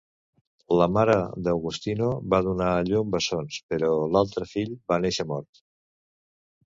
La mare d'Augustino va donar a llum bessons, però l'altre fill va néixer mort.